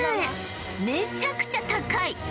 めちゃくちゃ高い！